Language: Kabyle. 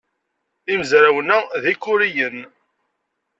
Imezrawen-a d ikuriyen.